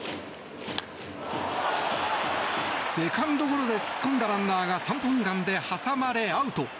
セカンドゴロで突っ込んだランナーが三本間で挟まれアウト。